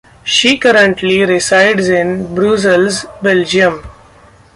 She currently resides in Brussels, Belgium.